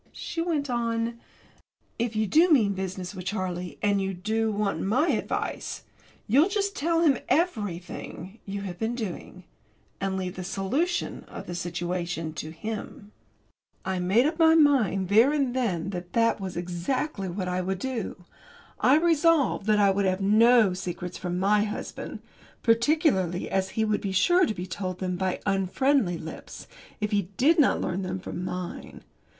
She went on: "If you do mean business with Charlie, and you do want my advice, you'll just tell him everything you have been doing, and leave the solution of the situation to him." I made up my mind there and then that that was exactly what I would do. I resolved that I would have no secrets from my husband particularly as he would be sure to be told them by unfriendly lips if he did not learn them from mine.